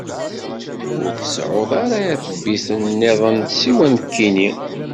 Ur tseɛɛuḍ ara iṛebbiten-nniḍen siwa nekkini.